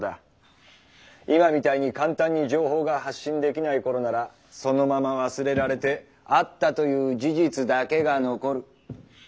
今みたいに簡単に情報が発信できない頃ならそのまま忘れられて「あった」という事実だけが残る。